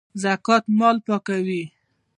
زکات مال پاکوي